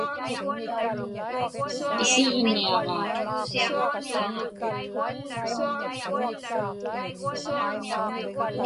Isiġniaġaa.